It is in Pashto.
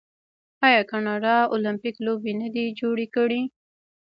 آیا کاناډا المپیک لوبې نه دي جوړې کړي؟